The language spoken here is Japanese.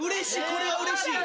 これはうれしい。